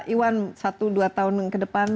iwan satu dua tahun ke depan